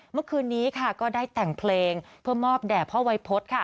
เมื่อคืนนี้ก็ได้แต่งเพลงเพื่อมอบแด่พ่อไวพล